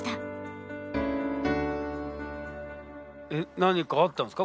え何かあったんですか？